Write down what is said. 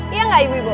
iya gak ibu ibu